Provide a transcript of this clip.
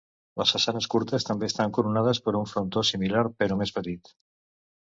Les façanes curtes també estan coronades per un frontó similar però més petit.